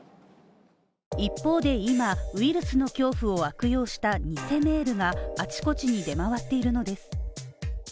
一方で今、ウイルスの恐怖を悪用した偽メールがあちこちに出回っているのです。